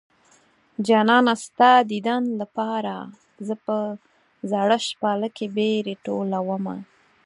جانانه ستا ديدن لپاره زه په زړه شپاله کې بېرې ټولومه